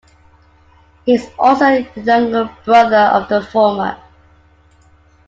He is also the younger brother of the former.